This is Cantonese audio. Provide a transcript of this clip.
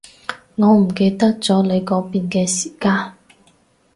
我唔記得咗你嗰邊嘅時間